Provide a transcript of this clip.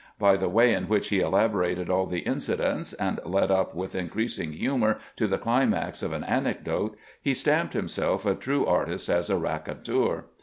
By the way in which he elaborated all the incidents, and led up with increasing humor to the climax of an anecdote, he stamped himself a true artist as a raconteur.